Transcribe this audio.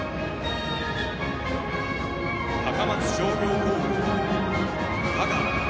高松商業高校・香川。